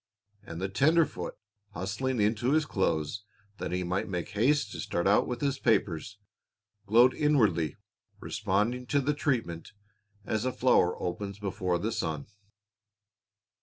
And the tenderfoot, hustling into his clothes that he might make haste to start out with his papers, glowed inwardly, responding to the treatment as a flower opens before the sun.